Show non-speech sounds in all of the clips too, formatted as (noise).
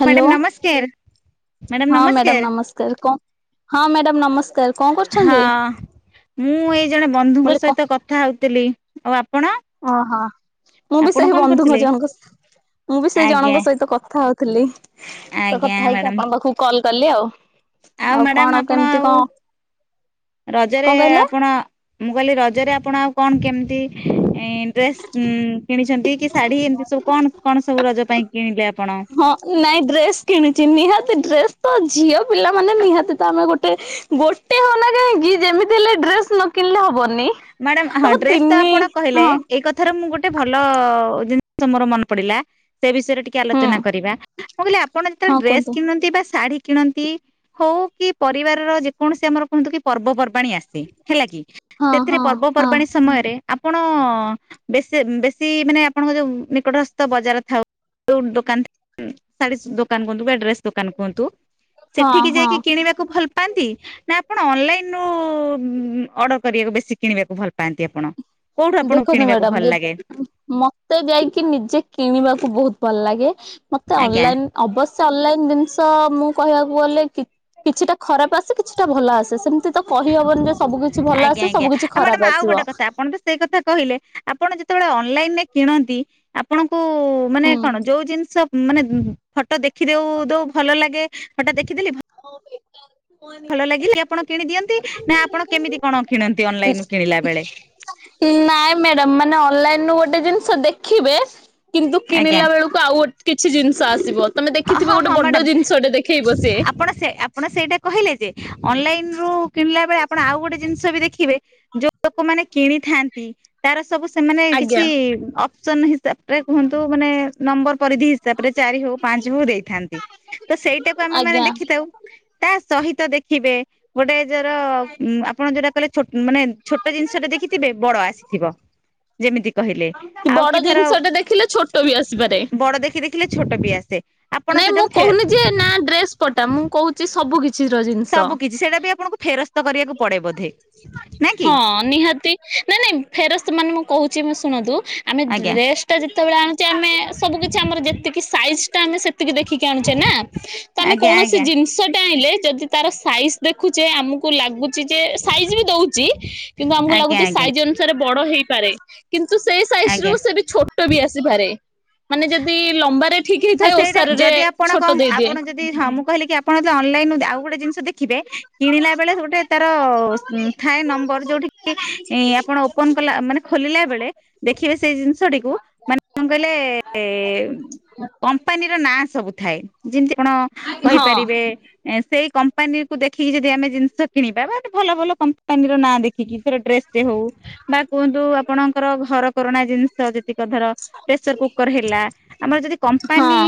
Hello madam ନମସ୍କାର madam ହଁ ନମସ୍କାର ମ୍ୟାଡ଼ାମ। କ ହଁ ମ୍ୟାଡ଼ାମ ନମ (inaudible) ହଁ ମୁଁ ଏଇ ଜଣେ ବନ୍ଧୁଙ୍କ ବୋଲି କ ସହିତ କଥା ହଉଥିଲି ଆଉ ଆପଣ? ଓହ ମୁଁ ବି ଆପଣ ସେଇ କଣ ବନ୍ଧୁଙ୍କ କରୁଥିଲେ? ଜଣଙ୍କ ମୁଁ ବି ସେଇ ଆଜ୍ଞା ଜଣଙ୍କ ସହିତ କଥା ହୋଉ ଥିଲ ତ ଆଜ୍ଞା କଥା ହେଇକି ମ୍ୟାଡ଼ାମ ଆପଣଙ୍କ ପାଖକୁ କଲ କଲି ଆଉ। ଆଉ କଣ ମ୍ୟାଡ଼ାମ ଆପଣ କେମିତି ଆଉ କଣ ରଜରେ କଣ କହିଲେ? ଆ ମୁଁ କହିଲି ରଜରେ ଆପଣ ଆଉ କଣ କେମିତି ଡ୍ରେସ ଉ କିଣିଛନ୍ତି କି ଶାଢୀ ଏ ସବୁ କଣ କଣ ସବୁ ରଜ ପାଇଁ କିଣିଲେ ଆପଣ ହଁ ନାଇଁ ଡ୍ରେସ୍ କିଣିଛି ନିହାତି ଡ୍ରେସ ତ ଝିଅ ପିଲା ମାନେ ନିହାତି ତ ଆମେ ଗୋଟେ ଗୋ ଗୋଟେ ହଉନା କାହିଁକି ଯେମିତି ହେଲେ ଡ୍ରେସ ନ କିଣିଲେ ହବନି। ମ୍ୟାଡାମ ହଁ ତମ ଡ୍ରେସ୍ ତ ତିନି ଆପଣ କହିଲେ ହଁ ଏଇଥା ଥର ମୁଁ ଗୋଟେ ଭଲ ଜିନିଷ ମୋର ମନେ ପଡିଲା ସେ ବିଷୟରେ ଟିକେ ଟ ହୁଁ ଆଲୋଚନା କରିବା ମୁଁ କହିଲି ଆପଣ ହଁ ଯେତେବେଳେ ଡ୍ରେସ୍ କୁହନ୍ତୁ କିଣନ୍ତି ବା ଶାଢ଼ୀ କିଣନ୍ତି। ହଉ କି ପରିବାରର ଯେକୌଣସି ଆମର କୁହନ୍ତୁ କି ପର୍ବପର୍ବାଣୀ ଆସେ ହେଲା କି ହଁ ରେ ହଁ ହଁ ପର୍ବପର୍ବାଣି ସମୟରେ ଆପଣ ବ ବେଶୀ ମାନେ ଆପଣଙ୍କ ଯୋଉ ନିକଟସ୍ଥ ବଜାର ଥାଉ ଦୋକାନ ଶାଢୀ ଦୋକାନ କୁହନ୍ତୁ ବା ଡ୍ରେସ୍ ଦୋକାନ କୁହନ୍ତୁ ହଁ ସେଠିକି ହଁ ଯାଇକି କିଣିବାକୁ ଭଲ ପାଆନ୍ତି ନା ଆପଣ ଅନଲାଇନୁ ଅର୍ଡର କରିବାକୁ ବେଶି କିଣିବାକୁ ଭଲ ପାଆନ୍ତି ଆପଣ କୋଉଠୁ ଆପଣଙ୍କୁ ଦେଖନ୍ତୁ କିଣିବାକୁ ମ୍ୟାଡାମ ଭଲ ଯେ ଲାଗେ? ମତେ ଯାଇକି ନିଜେ କିଣିବାକୁ ବୋହୁତ ଭଲ ଲାଗେ ମତେ ଆଜ୍ଞା ଅନଲାଇନ ଅବଶ୍ୟ ଅନଲାଇନ ଜିନିଷ ମୁଁ କହିବାକୁ ଗଲେ ଟି କିଛିଟା ଖରାପ ଆସେ କିଛିଟା ଭଲ ଆସେ। ସେମିତି ତ କହିହବନି ଯେ ସବୁ କିିଛି ଭଲ ଆସିବ ସବୁ କିିଛି ଖରାପ ଆସିବ। ସେହି କଥା କହିଲେ ଆପଣ ଯେତେବେଳେ ଅନଲାଇନ କିଣନ୍ତି ଆ ଆପଣଙ୍କୁ ମାନେ ହୁଁ କଣ ଯୋଉ ଜିନିଷ ମାନେ ଫଟୋ ଦେଖି ଦୋଉ ଦୋଉ ଭଲ ଲାଗେ ଫଟା ଦେଖିଦେଲି ହଁ ଗୋଟେ ଏକଟା ଭଲ ଲାଗିଲି ଆପଣ କିଣିଦିଅନ୍ତି, ନା ଆପଣ କେମିତି କଣ କିଣନ୍ତି ଅନଲାଇନୁ କିଣିଲା ବେଳେ? ନାଇଁ ମ୍ୟାଡାମ ମାନେ ଅନଲାଇନ ରୁ ଗୋଟେ ଜିନିଷ ଦେଖିଚେ କିନ୍ତୁ ଆଜ୍ଞା କିଣିଲା ବେଳକୁ ଆଉ ଗ କିଛି ଜିନିଷ ଆସିବ ତମେ ହଁ ଦେଖିଥିବ ହଁ ଗୋଟେ ହଁ ମ୍ୟାଡାମ ବଡ ଜିନିଷଟେ ଦେଖେଇବ ସେ ଆପଣ ସେ ଆପଣ ସେଇଟା କହିଲେ ଯେ ଅନଲାଇନ୍ ରୁ କିଣିଲାବେଳେ ଆପଣ ଆଉ ଗୋଟେ ଜିନି ସ ବି ଦେଖିବେ ଯୋଉ ଲୋକେମାନେ କିଣିଥାଆନ୍ତି ତାର ସବୁ ସେମାନେ କିଛି ଆଜ୍ଞା। ଅ ଅଫସନ ହି ତାପରେ କୁହନ୍ତୁ ମାନେ ନମ୍ୱର ପରିଧି ତାପରେ ଚାରି ହଉ ପାଞ୍ଚ ହଉ ଦେଇଥାନ୍ତି, ତ ସେଇଟାକୁ ଆମେ ମାନେ ଆଜ୍ଞା। ଦେଖିଥାଉ। ତା ସହିତ ଦେଖିବେ ଗୋଟେ ଯୋ (unintelligible) ଆପଣ ଯୋଉଟା କହିଲି ଛୋଟ୍ ମାନେ ଛୋଟ ଜିନିସ ଟେ ଦେଖିଥିବେ ବଡ଼ ଆସିଥିବ ଯେମିତି। କହିଲେ ଆଉ କି ଧର ଥିଲେ ଛୋଟ ବି ଆସିପାରେ। ବଡ ଦେଖି ଦେଖିଲେ ଛୋଟ ବି ଆସେ। ଆପଣ ନାଇଁ ମୁଁ ସେଟାକୁ ଫେ କହୁନି ଯେ ନା ଡ୍ରେସ ପଟା ମୁଁ କହୁଛି ସବୁ କି ସବୁ କିଛି ସେଇଟା ବି ଆପଣଙ୍କୁ ଫେରସ୍ତ କରିବାକୁ ପଡେ ବୋଧେ, ନାଇଁ କି ହଁ ନିହାତି ନାଇଁ ନାଇଁ ଫେରସ୍ତ ମାନେ ମୁଁ କହୁଛି ଶୁଣନ୍ତୁ ଆମେ ଆଜ୍ଞା ଡ୍ରେସ୍ ଯେତେବେଳେ ଆଣୁଛି ଆମେ ସବୁ କିଛି ଆମର ଯେତିକି ସାଇଜ୍ ଟା ଆମେ ଟିକେ ଦେଖିକି ଆଣୁଛେ ନା ତ ଆମେ ଆଜ୍ଞା କୌଣସି ଆଜ୍ଞା ଜିନିଷଟେ ଆଣିଲେ ଯଦି। ତାର ସାଇଜ୍ ଦେଖୁଚେ ଆମକୁ ଲାଗୁ। ଯେ ସାଇଜ୍ ବି ଦଉଛି କିନ୍ତୁ ଆମକୁ ଆଜ୍ଞା ଲାଗୁଛି ଆଜ୍ଞା ସାଇଜ୍ ଅନୁସାରେ ବଡ ହେଇପାରେ। କିନ୍ତୁ ସେଇ ସାଇଜ ଆଜ୍ଞା ରୁ ସେ ବି ଛୋଟ ବି ଆସିପାରେ ମାନେ ଯଦି ଲମ୍ବାରେ। ଠିକ୍ ହଁ ହେଇଥାଏ ସେଇଟା ଓସାର ରେ ଯଦି ଆପଣ ଛୋଟ କଣ ଦେଇଦିଏ। ଆପଣ ହଁ ମୁଁ କହିଲି କି ଆପଣ ଯେ ଅନଲାଇନ ରୁ ଆଉ ଗୋଟେ ଜିନିଷ ଦେଖିବେ କିଣିଲା ବେଳେ ଗୋଟେ ତାର। ଥାଏ ନମ୍ବର ଯୋଉଠିି କି ଆପଣ ଓପନ୍ କଲା ମାନେ ଖୋଲିଲା ବେଳେ। ଦେଖିବେ ସେଇ ଜିନିଷଟିକୁ ମାନେ କଣ କହିଲେ। କମ୍ପାନୀର ନାଁ ସବୁ ଥାଏ ଯେମିତି କଣ ହଁ। ହଁ କହିପାରିବେ। ସେଇ କମ୍ପାନି କୁ ଦେଖି କି ଆମେ ଯଦି ଜିନିଷ କିଣିବା ବା ଭଲ ଭଲ କମ୍ପାନି ର ନାଁ ଦେଖିକି। ଡ୍ରେସ୍ ଟେ ହୋଉ ବା କୁହନ୍ତୁ ଆପଣଙ୍କର ଘର କରଣା ଜିନିଷ ଜେତିକ ଧର। ପ୍ରେସର କୁକର୍ ହେଲା ଆମର ଯଦି। କମ୍ପାନୀ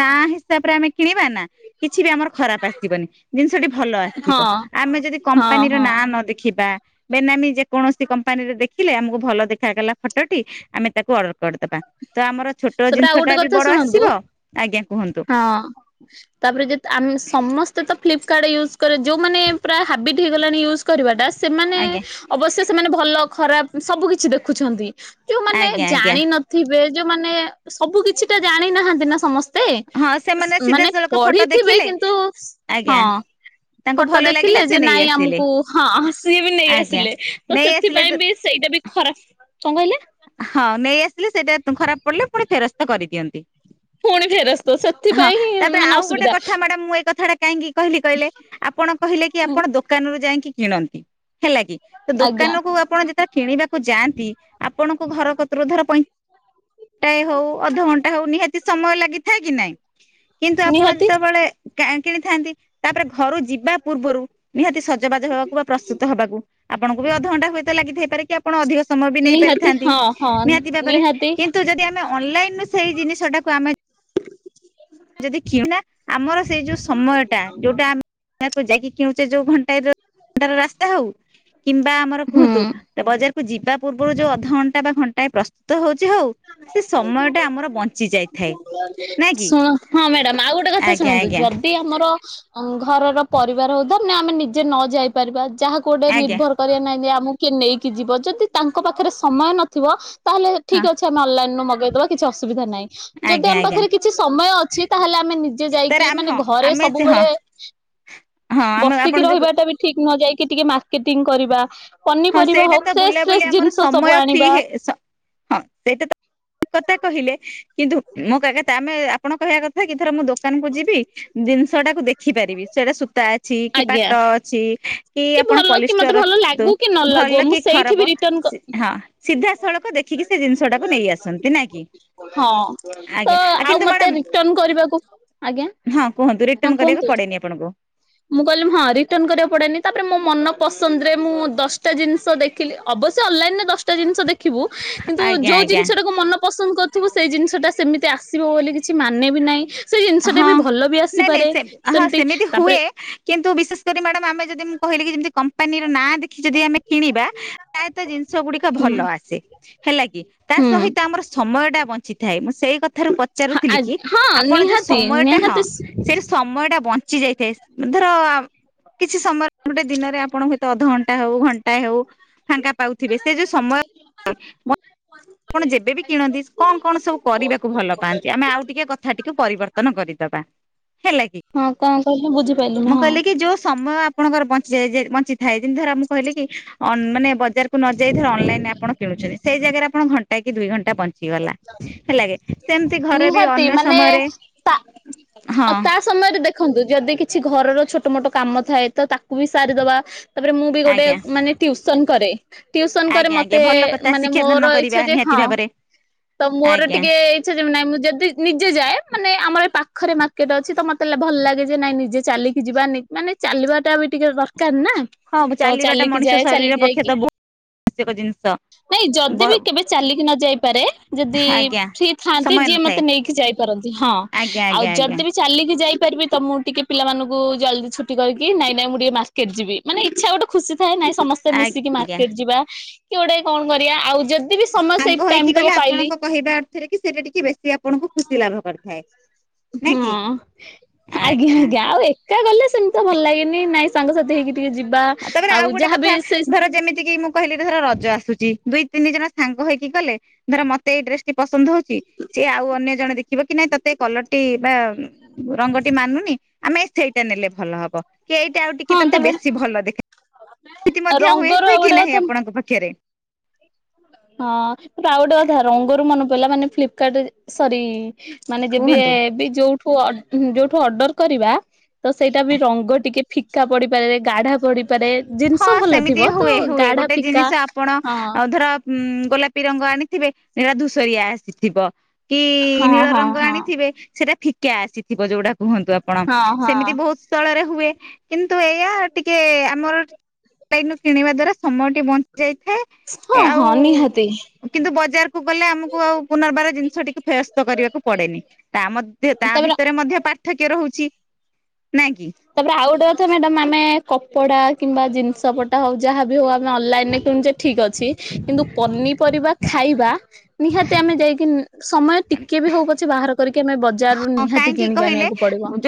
ନା ହିସାବରେ ଆମେ କିଣିବା ନା କିଛି ବି ଆମର ଖରାପ। ଆସିବନି ଜିନିଷଟି ଭଲ ଆସିବ ହଁ ଆମେ ଯଦି ହଁ କମ୍ପାନୀର ହଁ ନାଁ ନ ଦେଖିବା। ବେନାମି ଯେ କୌଣସି କମ୍ପାନି ରେ ଦେଖିଲେ ଆମକୁ ଭଲ ଦେଖାଗଲା ଫଟଟି। ଆମେ ତାକୁ ଅର୍ଡର କରିଦବା ତ ଆମର ଛୋଟ ଜିନିଷ ଟା ବି ବଡ଼ ଆସ- ଦୁ ହଁ। ତାପରେ ଯେତ ଆମେ ସମସ୍ତେ ତ ଫ୍ଲିପକାର୍ଟ ୟୁଜ୍ କରେ ଯୋଉମାନେ ପୁରା ହାବିଟ୍ ହେଇଗଲାଣି ୟୁଜ୍। କରିବାଟା ସେମାନେ ଆଜ୍ଞା ଅବଶ୍ୟ ସେମାନେ ଭଲ ଖରାପ ସବୁ କିଛି ଦେଖୁଛନ୍ତି। ଯୋଉମାନେ ଆଜ୍ଞା ଆଜ୍ଞା ଜାଣି ନଥିବେ ଯୋଉମାନେ ସବୁ କିଛି ଟା ଜାଣି ନାହାନ୍ତି ନା ସମସ୍ତେ। ହଁ ସେମାନେ ସ୍ତେ ମାନେ ସିଧାସଳଖ ଫଟୋ ପଢିଥିବେ ଦେଖିଲେ କିନ୍ତୁ ହଁ। ଆଜ୍ଞା ତାଙ୍କୁ ଫଟ ଭଲ ଲାଗିଲା ଦେଖିଲେ ଯେ ସେ ନେଇ ନାଇଁ ଆସିଲେ ଆମକୁ ହଁ ସିଏ ବି ନେଇ ଆଜ୍ଞା ଆସିଲେ ତ ନେଇ ଆସିଲେ ସେଥିପାଇଁ ବି। ସେଇଟା ବି ଖରାପ କଣ କହିଲେ। ହଁ ନେଇ ଆସିଲେ ସେଇଟା ଖରାପ ପଡ଼ିଲେ ପୁଣି ଫେରସ୍ତ କରିଦିଅନ୍ତି। ପୁଣି ଫେରସ୍ତ ହଁ ସେଥିପାଇଁ ତାପରେ ମାନେ ଆଉ ଗୋଟେ ଅସୁବିଧା କଥା ମ୍ୟାଡାମ୍ ମୁଁ ଏଇ କଥା ଟା। କାହିଁକି କହିଲି କହିଲେ ଆପଣ କହିଲେ କି ଆପଣ ଦୋକାନରୁୁ ଯାଇକି କିଣନ୍ତି ହେଲାକି। ତ ଆଜ୍ଞା ଦୋକାନ କୁ ଆପଣ ଯେତେବେଳେ କିଣିବାକୁ ଯାଆନ୍ତି ଆପଣଙ୍କୁ ଘର କତିରୁ ଧର ପଇ। ଘଣ୍ଟାଏ ହଉ ଅଧଘଣ୍ଟା ହଉ ନିହାତି ସମୟ ଲାଗିଥାଏ କି ନାଇଁ। କିନ୍ତୁ ଆପଣ ନିହାତି। ଯେତେବେଳେ କେ କିଣିଥାନ୍ତି। ତାପରେ ଘରୁ ଯିବା ପୂର୍ବରୁ ନିହାତି ସଜବାଜ ହେବାକୁ ବା ପ୍ରସ୍ତୁତ ହବାକୁ ଆପଣଙ୍କୁ ବି ଅଧଘଣ୍ଟା। ହୁଏତ ଲାଗିଥାଇପାରେ କି ଆପଣ ଅଧିକ ସମୟ ବି ନିହାତି ନେଇପାରିଥାନ୍ତି ହଁ ହଁ ନିହାତି ଭାବରେ କିନ୍ତୁ। ନ୍ତୁ ଯଦି ଆମେ ଅନଲାଇନ୍ ରୁ ସେଇ ଜିନିଷଟାକୁ ଆମେ। ଯଦି କିଣେ ନା ଆମର ସେଇ ଯୋଉ ସମୟଟା ଯୋଉଟା। ଦୋକାନ କୁ ଯାଇକି କିଣୁଛେ ଯୋଉ ଘଣ୍ଟାଏର ଘଣ୍ଟାର ରାସ୍ତା ହଉ କିମ୍ବା ଆମର ହୁଁ। କୁହନ୍ତୁ। ତ ବଜାରକୁୁ ଯିବା ପୂର୍ବରୁ ଯୋଉ ଅଧଘଣ୍ଟା ବା ଘଣ୍ଟାଏ ପ୍ର, ସ୍ତୁତ ହଉଛି ହଉ ସେ ସମୟଟା ଆମର ବଞ୍ଚି ଯାଇଥାଏ ନାଇଁ କି। ଶୁଣ ହଁ ମ୍ୟାଡ଼ାମ ଆଉ ଗୋଟେ କଥା ଆଜ୍ଞା ଶୁଣନ୍ତୁ ଆଜ୍ଞା ଯଦି ଆମର ଘରର ପରିବାର ହଉ ତ। ନା ଆମେ ନିଜେ ନଯାଇପାରିବା ଯାହାକୁ ଗୋଟେ ଆଜ୍ଞା ନିର୍ଭର। କରିବା ନାହିଁ ଯେ ଆମକୁ କିଏ ନେଇକି ଯିବ ଯଦି ତାଙ୍କ ପାଖରେ ସମୟ ନଥିବ ତାହେଲେ ହଁ। ଠିକ୍ ଅଛି। ଆମେ ଅନଲାଇନ୍ ରୁ ମଗେଇଦବା କିଛି ଅସୁବିଧା ନାହିଁ। ଯଦି ଆଜ୍ଞା ଆମ ଆଜ୍ଞା ପାଖରେ କିଛି ସମୟ ଅଛି ତାହେଲେ ଆମେ ନିଜେ ତାର ଯାଇକି ଆମେ ମାନେ ହଁ ଘରେ ଆମେ ସେ ହଁ ସବୁବେଳେ। ହଁ ଆମେ ବସିକି ଆପଣ ଯୋଉ ରହିବା ଟା ବି ଠିକ୍ ନୁହଁ ଯାଇକି ଟିକେ ମାର୍କେଟିଂ କରିବା। ହଁ ପନିପରିବା ସେଇଟା ହଉ ତ ଫ୍ରେସ୍ ବୁଲାବୁଲି ଫ୍ରେସ୍ ଆମର ଜିନିଷ ସବୁ ସମୟ ଫ୍ରି ଆଣିବା। ହେ ହଁ ସେଇଟା ତ ଠିକ୍ କଥା କହିଲେ କିନ୍ତୁ ମୋ କଥା ଆମେ ଆପଣ କହିବା କଥା। ଥରେ ଦିଥର ମୁଁ ଦୋକାନକୁ ଯିବି ଜିନିଷଟାକୁ ଦେଖି ପାରିବି ସେଇଟା ସୁତା। ଅଛି କି ଆଜ୍ଞା। ପାଟ ଅଛି କି ଆପଣ ଭଲ କି ମତେ ପଲିଷ୍ଟର୍ ଭଲ କୁହନ୍ତୁ। ଲାଗୁ କି ନ ଲାଗୁ ଭଲ ଆ ମୁଁ କି ସେଇଠି ଖରାପ ବି ରିଟର୍ନ କ। ହଁ ସିଧାସଳଖ ଦେଖିକି ସେ ଜିନିଷ ଟାକୁ ନେଇ ଆସନ୍ତି ନା କି ହଁ ତ ଆଜ୍ଞା ଆ ଆଉ କିନ୍ତୁ ମତେ ମ୍ୟାଡାମ ରିଟନ୍ କରିବାକୁ ଆଜ୍ଞା ହଁ କୁହନ୍ତୁ ରିଟର୍ଣ ହଁ କରିବାକୁ କୁହନ୍ତୁ। ପଡେନି ଆପଣଙ୍କୁ। ମୁଁ କହିଲି ହଁ ରିଟର୍ନ କରିବାକୁ ପଡ଼େନି ତାପରେ ମୋ ମନ ପସନ୍ଦ ରେ ମୁଁ ଦଶଟା ଜିନିଷ ଦେ। ଖିଲି ଅବଶ୍ୟ ଅନଲାଇନ୍ ରେ ଦଶଟା ଜିନିସ ଦେଖିବୁ କିନ୍ତୁ ଆଜ୍ଞା ଯୋଉ ଆଜ୍ଞା ଜିନିଷ ଟାକୁ ମନ ପସନ୍ଦ କର। ଥିବୁ ସେଇ ଜିନିଷଟା ସେମିତି ଆସିବ ବୋଲି କିଛି ମାନେ ବିି ନାହିଁ। ସେଇ ଜିନିଷଟା ହଁ ବି ଭଲ ବି ନାଇଁ ନାଇଁ ଆସିପାରେ, ସେ ହଁ ସେମିତି ହୁଏ ତାପରେ କିନ୍ତୁ ବିଶେସ୍ କରି ମ୍ୟାଡମ୍ ଆମେ ଯଦି, ମୁଁ କହିଲି ଯେମତି କମ୍ପାନୀ ର ନାଁ ଦେଖି ଦେଖି ଯଦି ଆମେ କିଣିବା, ପ୍ରାୟତ ଜିନିଷ ଗୁଡ଼ିକ ହୁଁ ଭଲ ଆସେ। ହେଲା କି, ତା ହୁଁ। ସହିତ ଆମର ସମୟ ଟା ବଞ୍ଚିଥାଏ। ମୁଁ ସେଇ କଥାରୁ ପଚାରୁଥିଲି କି ହଁ ଆପଣ ଯୋଉ ନିହା ସମୟଟା ହଁ। ସେଠି ସମୟ ଟା ବଞ୍ଚି ଯାଇଥାଏ। ଧର କିଛି ସମୟ, ଗୋଟେ ଦିନରେ ଆପଣ ହୁଏତ ଅଧଘଣ୍ଟା ହଉ, ଘଣ୍ଟା ହଉ ଫାଙ୍କା ପାଉଥିବେ। ସେ ଯୋଉ ସମୟ, (unintelligible) ଆପଣ ଯେବେବି କିଣନ୍ତି କଣ କଣ ସବୁ କରିବାକୁ ଭଲ ପାଆନ୍ତି? ଆମେ ଆଉ ଟିକେ କଥା ଟିକେ ପରିବର୍ତ୍ତନ କରିଦବା ହେଲା କି? ହଁ କଣ କହିଲେ ବୁଝିପାରିଲୁନି ମୁଁ ହଁ। କହିଲି କି ଯୋଉ ସମୟ, ଆପ୍ ଆପଣଙ୍କର ବଞ୍ଚିଯାଏ, ଯେ ବଞ୍ଚିଥାଏ। କିନ୍ତୁ ଧର ମୁଁ କହିଲିକି ଅନ୍- ବଜାର କୁ ନଯାଇଥାଉ ଅନଲାଇନ୍ ରେ ଆପଣ କିଣୁଛନ୍ତି। ସେଇ ଜାଗାରେ ଆପଣ ଘଣ୍ଟା କି ଦୁଇ ଘଣ୍ଟା, ବ ସି ଗଲା, ହେଲାକି ସେମିତି ଘରେ ବି ନିହାତି ଅନ୍ୟ ମାନେ ସମୟରେ, ତା ହଁ ଆଉ ତା ସମୟରେ ଦେଖନ୍ତୁ, ଯଦି କିଛି ଘରର ଛୋଟ ମୋଟ କାମ ଥାଏ ତ ତାକୁ କୁ ବି ସାରିଦବା। ତାପରେ ମୁଁ ବି ଗୋଟେ ଆଜ୍ଞା ମାନେ ଟିଉସନ୍ କରେ। ଟିଉସନ୍ କରେ। ଆଜ୍ଞା ଆଜ୍ଞା ମତେ ଭଲ କଥା ମାନେ ମୋର ଶିକ୍ଷାଦାନ କରିବା ଇଛା ଯେ, ନିହାତି ହଁ। ଭାବରେ ତ ମୋର ଆଜ୍ଞା ଟିକେ ସେ ଯିବି ନାଇ, ମୁଁ ଯଦି ନିଜେ ଯାଏ। ମାନେ ଆମର ଏ ପାଖରେ ମାର୍କେଟ ଅଛି ତ ମତେ ଭଲ ଲାଗେ ଯେ ନାଇଁ ନିଜେ ଚାଲିକି ଯିବାନି, ମାନେ ଚାଲିବାଟା ବି ଟିକେ ଦରକାର ନା। ହଁ ତ ଚାଲିବାଟା ଚାଲିକି ଯାଏ, ଚାଲିକି ଯାଇକି ଯେକୋ ଜିନ୍ସ। ନାଇଁ ଯଦି ବି କେବେ ଚାଲିକି ନ ଯାଇପାରେ ଯଦି ଆଜ୍ଞା ଫ୍ରି ଥାନ୍ତି, ସମୟ ଯିଏ ନଥାଏ ମତେ ନେଇକି ଯାଇପାରନ୍ତି। ହଁ। ଆଜ୍ଞା ଆଉ ଆଜ୍ଞା ଆଜ୍ଞା ଯଦି ବି ଚାଲିକି ଯାଇପାରିବିତ। ମୁଁ ଟିକେ ପିଲାମାନଙ୍କୁ ଜଲ୍ଦି ଛୁଟି କରିକି, ନାଇଁ ନାଇଁ ମୁଁ ଟିକେ ମାର୍କେଟ ଯିବି। ମାନେ ଇଚ୍ଛା ଗୋଟେ ଖୁସି ଥାଏ, ନାଇଁ ସମସ୍ତେ ଆଜ୍ଞା ମିଶିକି ଆଜ୍ଞା ମାର୍କେଟ ଯିବା, କି ଗୋଟେ କଣ କରିବା, ଆଉ ଯଦି ବି ସମୟ ସେଇଟି ଦେଖି ଗଲେ ଆପଣଙ୍କ କହିବା ଅର୍ଥରେ କି, ସେଇଟା ଟିକେ ବେଶୀ ଆପଣଙ୍କୁ ଖୁସି ଲାଭ କରିଥାଏ। ନା କି ହଁ। ଆଜ୍ଞା ଆଜ୍ଞା। ଆଉ ଏକା ଗଲେ ସେମିତି ତ ଭଲ ଲାଗେନି, ନାଇଁ ସାଙ୍ଗସାଥି ହେଇକି ଟିକେ ଯିବା ହଁ ତାପରେ ଆଉ ଗୋଟେ ଯାହାବି କଥା, ସେ ଧର ଯେମିତି କିି, ମୁଁ କହିଲେ ବି ଧର ରଜ ଆସୁଛି, ଦୁଇ ତିନି ଜଣ ସାଙ୍ଗ ହେଇକି ଗଲେ, ଧର ମତେ ଏଇ ଡ୍ରେସ ଟି ପସନ୍ଦ ହୋଉଛି ସିଏ ଆଉ ଅନ୍ୟ ଜଣେ ଦେଖିବ କି, ନାଇଁ ତତେ ଏଇ କଲର୍ ଟି ବା ରଙ୍ଗଟି ମାନୁନି, ଆମେ ସେଇଟା ନେଲେ ଭଲ ହବ। କି ଏଇଟା ଆଉ ଟିକେ ହଁ ତତେ ତାପରେ ବେଶୀ ଭଲ ଦେଖ ସ୍ଥିତି ମଧ୍ୟ ହୁଏ। ରଙ୍ଗର ହୁଏ ଆଉ କି ଗୋଟେ ନାହିଁ କଥା ଆପଣଙ୍କ ପାଖରେ? ହଁ ଆଉ ଗୋଟେ କଥା, ରଙ୍ଗରୁ ମନେ ପଡିଲଲା, ମାନେ ଫ୍ଲିପ୍କାର୍ଡ଼ ରେ, ସରି ମାନେ ଯେବେ କୁହନ୍ତୁ? ବି ଯୋଉଠୁ, ଅର୍ଡ-ଯୋଉଠୁ ଅର୍ଡର କରିବା ତ ସେଇଟା ବି ରଙ୍ଗ ଟିକେ ଫିକା ପଡିପାରେ, ଗାଢା ପଡି ପାରେ, ହଁ ଜିନ୍ସ ଭଲ ସେମିତି ଥିବ। ତ ହୁଏ ହୁଏ ଗାଢା ଫିକା, ହଁ। ହୁଁ, ଗୋଲାପୀ ରଙ୍ଗ ଆଣିଥିବେ, ସେଟା ଧୂସରିଆ ଆସିଥିବ। କି ହଁ ନୀଳ ହଁ ରଙ୍ଗ ହଁ ଆଣିଥିବେ, ସେଇଟା ଫିକା ଆସିଥିବ ଯୋଉଟା କୁହନ୍ତୁ ଆପଣ? ହଁ ହଁ ସେମିତି ବୋହୁତ୍ ସ୍ଥଳରେ ହୁଏ। କିନ୍ତୁ ଏଇଆ ଟିକେ ଆମର ସେଇନୁ କିଣିବା ଦ୍ଵାରା ସମୟଟି ବଞ୍ଚି ହଁ ଯାଇଥାଏ। ଆଉ ହଁ ନିହାତି କିନ୍ତୁ ବଜାରକୁ ଗଲେ, ଆମକୁ ଆଉ ପୁନର୍ବାର ଜିନିଷ ଟିକେ ଫେରସ୍ତ କରିବାକୁ ପଡେନି। ତା ମଧ୍ୟ ତା ତାପରେ ଭିତରେ ମଧ୍ୟ ପାର୍ଥକ୍ୟ ରହୁଛି। ନା କି? ତାପରେ ଆଉ ଗୋଟେ କଥା ମ୍ୟାଡମ୍, ଆମେ କପଡା, କିମ୍ବା ଜିନିଷ ପଟା ହଉ, ଯାହାବି ହଉ ଆ ତୁମେ ଅନଲାଇନ୍ ରେ କିଣୁଛେ ଠିକ୍ ଅଛି। କିନ୍ତୁ ପନିପରିବା, ଖା ଖାଇବା, ନିହାତି ଆମେ ଯାଇକି, ସମୟ ଟିକେ ବି ହଉ ପଛେ ବାହାର କରିକି ଆମେ ବଯାରରୁ ନିହାତି କିଣିକି ଆଣିବାକୁ ପଡିବ। ଯେ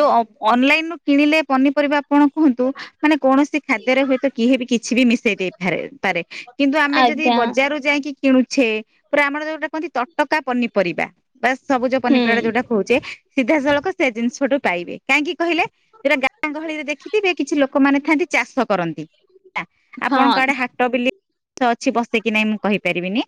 ଅନଲାଇନ୍ ରୁ କିଣିଲେ ପନିପରିବା ଆପଣ କୁହନ୍ତୁ, ମାନେ କୌଣସି ଖାଦ୍ୟରେ ହୁଏତ, କିହେ ବି କିଛି ବି ମିଶେଇ ଦେଇ ଫାରେ- ପାରେ କିନ୍ତୁ ଆମେ ଯଦି ଆଜ୍ଞା ବଜାରରୁ ଯାଇକି କିଣୁଛେ। ପୁରା ଆମର ଯୋଉଟା କୁହନ୍ତି, ତଟକା ପନିପରିବା। ବା ସବୁଜ ହୁଁ ପନିପରିବା, ଯୋଉଟା କହୁଛେ ସିଧାସଳଖ ସେ ଜିନିଷଠୁ ପାଇବେ କାହିଁକି କହିଲେ ସେଟା ଗାଁ ଗହଳିରେ ଦେଖିଥିବେ କିଛି ଲୋକମାନେ ଥାଆନ୍ତି ଚାଷ କରନ୍ତି ହେଲା ଆପଣଙ୍କ ଆଡେ ହଁ। ହାଟ ବିଲି ଅଛି ବସିକି ନାଇଁ ମୁଁ କହିପାରିବିନି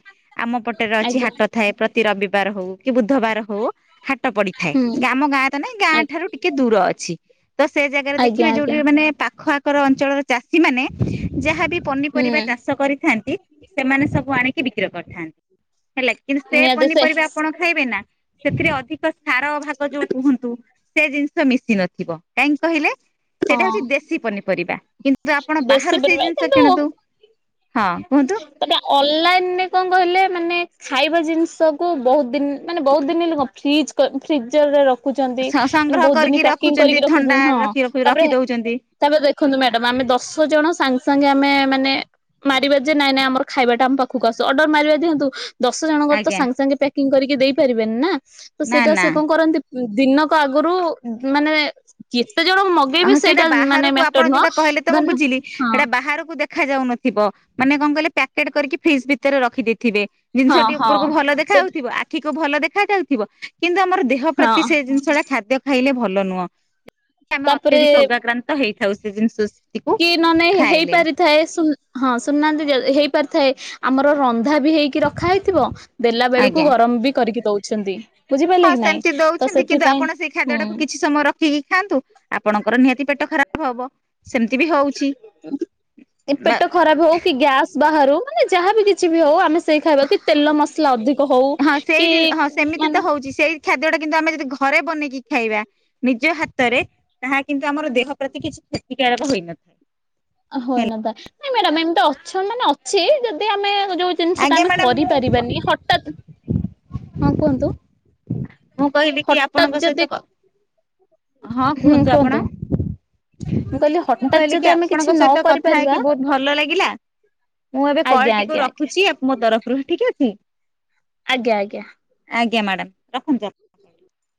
ଆମ ପଟରେ ଅଛି ଆଜ୍ଞା। ହାଟ ଥାଏ ପ୍ରତି ରବିବାର ହଉ କି ବୁଧବାର ହଉ ହାଟ ପଡିଥାଏ ହୁଁ ଆମ ଗାଁ ତ ନାଇଁ ଗାଁ ଠାରୁ ଆଜ୍ଞା ଟିକେ ଦୂର ଅଛି ତ ସେ ଜାଗାରେ ଆଜ୍ଞା ଦେଖିବେ ଆଜ୍ଞା ଯୋଉଠି ମାନେ ପାଖ ଆଖ ଅଞ୍ଚଳର ଚାଷୀ ମାନେ ଯାହାବି ହୁଁ ପନିପରିବା ଚାଷ କରିଥାନ୍ତି ସେମାନେ ସ ମୁଁ ଆଣିକି ବିକ୍ରୟ କରିଥାନ୍ତି ହେଲା କିନ୍ତୁ ସେ ପନିପରିବା ଆପଣ ଖାଇବେ ନା ସେଥିରେ ଅଧିକ ସାର ଯୋଉ କୁହନ୍ତୁ। ସେ ଜିନିଷ ମିଶି ନଥିବ କାହିଁକି କହିଲେ ସେଇଟା ହଉଛି ହଁ। ଦେଶୀ ପନିପରିବା କିନ୍ତୁ ଆପଣ ବେଶୀ ବାହାରୁ ସେଇ ପରିମାଣ ଜିନିଷ କିନ୍ତୁ କିଣନ୍ତୁ ହଁ କୁହନ୍ତୁ ଟେ ଅନଲାଇନରେ କଣ କହିଲେ ମାନେ ଖାଇବା ଜିନିଷକୁୁ ବହୁତ ଦିନ ମାନେ ବହୁତ ଦିନ ହେ ଲ କ ଫ୍ରିଜ ଫ୍ରିଜରରେ ରଖ ରଖଛନ୍ତି ମାନେ ସଂଗ୍ରହ ବହୁତ କରିକି ଦିନ ପ୍ୟାକିଂ କରିକି ଥଣ୍ଡା ରଖୁଛନ୍ତି ହଁ ରଖି ରଖି ତାପରେ ରଖି ଦଉଛନ୍ତି ତାପରେ ଦେଖନ୍ତୁ ମ୍ୟାଡାମ ଆମେ ଦଶ ଜଣ ସାଙ୍ଗେ ସାଙ୍ଗେ ଆମେ ମାନେ ମାରିବା ଯେ ନାଇଁ ନାଇ ଆମର ଖାଇବା ଟା ଆମ ପାଖକୁ ଆସୁ ଅର୍ଡର ମାରିବା ଦିଅନ୍ତୁ ଦଶ ଜଣଙ୍କର ତ ଆଜ୍ଞା ସାଙ୍ଗେ ସାଙ୍ଗେ କିଙ୍ଗ୍ କରିକି ଦେଇ ପାରିବେନି ନା ତ ନା ସେଇଟା ସେ ନା କଣ କରନ୍ତି ଦିନକୁ ଆଗରୁ ମାନେ କେତେ ଜଣ ମଗ ହଁ ସେଟା ବାହାରକୁ ଆପଣ ଯୋଉଟା କହିଲେ ତ ମୁଁ ଧରିନିଅ ବୁଝିଲି ହଁ। ସେଇଟା ବାହାରକୁ ଦେଖ ଦେଖା ଯାଉନଥିବ ମାନେ କଣ କହିଲେ ପ୍ୟାକେଟ କରିକି ଫ୍ରିଜ ଭିତରେ ରଖିଦେଇଥିବେ ହଁ ଜିନିଷଟି ହଁ ଉପରକୁ ଭଲ ସେ ଦେଖା ହଉଥିବ ଠିକ ଭଲ ଦେଖାଯ ଯାଉଥିବ କିନ୍ତୁ ଆମର ଦେହ ହଁ ପ୍ରତି ସେ ଜିନିଷ ଟା ଖାଦ୍ୟ ଖାଇଲେ ଭଲ ନୁହଁ ଆମେ ତାପରେ ଅତ୍ୟଧିକ ଅଗାକ୍ରାନ୍ତ ହେଇଥାଉ ସେ ଜିନିଷ କି ନାନେ ହେଇପାରି ଥାଏ ହଁ ସୁନାନ୍ତି ହେଇ ପାରିଥାଏ ଆମର ରନ୍ଧା ବି ହେଇ କି ରଖା ହେଇଥିବ ଦେଲା ବେଳକୁ ଆଜ୍ଞା। ଗରମ ବି କରିକି ଦଉଛନ୍ତି ବୁଝିପାରିଲେ ହଁ କି ନାଇଁ ସେମିତି ତ ଦଉଛନ୍ତି କିନ୍ତୁ ସେଥିପାଇଁ ଆପଣ ସେଇ ଖାଦ୍ୟ ହୁଁ ଟାକୁ କିଛି ସମୟ ରଖ୍ ଠିକ ଖାଆନ୍ତୁ ଆପଣଙ୍କର ନିହାତି ପେଟ ଖରାପ ହବ ସେମିତି ବି ହଉ ପେଟ ଖରାପ ହଉ କି ଗ୍ୟାସ୍ ବାହାରୁ ମାନେ ଯାହାବି କିଛି ବି ହଉ ଆମେ ସେଇ ଖାଇବା କି ତେଲ ମସଲା ଅଧିକ ହଉ କି ମାନେ ଖାଦ୍ୟ ଟା କିନ୍ତୁ ଆମେ ଯଦି ଘରେ ବନେଇକି ଖାଇବା ନିଜ ହାତରେ ତାହା କିନ୍ତୁ ଆମର ଦେହ ପ୍ରତି କିଛି କ୍ଷତିକାରକ ହୋଇନଥାଏ ହନତା ନାଇଁ ମ୍ୟାଡାାମ ଏମିତି ଅଛ ମାନେ ଅଛି ଯଦି ଆମେ ଯୋଉ ଜିନିଷ ଟା ଆଜ୍ଞା ଆମେ ମ୍ୟାଡାମ ମୁଁ କରିପାରିବାନି ହଠାତ୍ ହଁ କୁହନ୍ତୁ ମୁଁ କହିଲି କି ହଠାତ୍ ଆପଣଙ୍କ ସହିତ ଯଦି ହଁ କୁହନ୍ତୁ ଆପଣ କହିଲି ମୁଁ ହଠାତ୍ କହିଲି କି ଯଦି ଆମେ କିଛି ଆପଣଙ୍କ ନ ସହିତ କଥା କରିପାରିବା ହେଇକି ବହୁତ ଭଲ ଲାଗିଲା ମୁଁ ଏବେ କଲ ଆଜ୍ଞା ଟଟିକୁ ଆଜ୍ଞା ଆଜ୍ଞା ରଖୁଛି ଆ ମୋ ତରଫରୁ ଠିକ ଅଛି ଆଜ୍ଞା ଆଜ୍ଞା ଆଜ୍ଞା ମ୍ୟାଡାାମ ରଖନ୍ତୁ